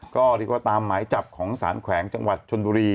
ก็เรียกว่าตามหมายจับของสารแขวงจังหวัดชนบุรี